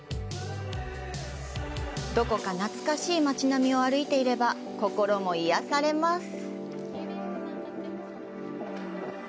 どこか懐かしい街並みを歩いていれば心も癒やされます。